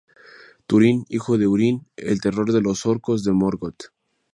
Túrin, hijo de Húrin, el terror de los Orcos de Morgoth.